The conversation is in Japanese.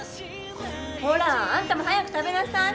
ほらあんたも早く食べなさい！